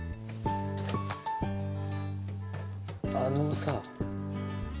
あのさ。